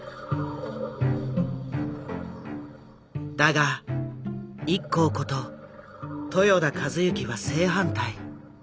だがＩＫＫＯこと豊田一幸は正反対。